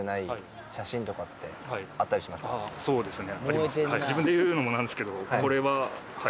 そうですね